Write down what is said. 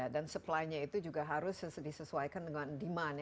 dan supply nya itu juga harus disesuaikan dengan demand